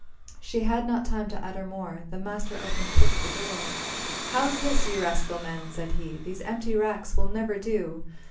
She had not time to utter more, The master opened quick the door. "How's this, you rascal men?" said he; "These empty racks will never do!